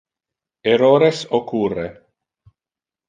Errores occurre.